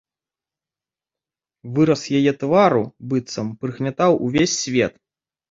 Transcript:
Выраз яе твару быццам прыгнятаў увесь свет.